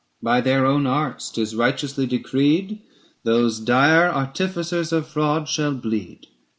By their own arts, 'tis righteously decreed, 1010 Those dire artificers of death shall bleed.